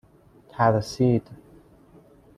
ترسید